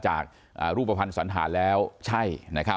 จากรูปภัณฑ์สันธารแล้วใช่